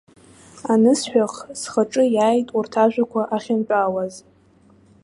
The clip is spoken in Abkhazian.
Анысҳәах, схаҿы иааит урҭ ажәақәа ахьынтәаауаз.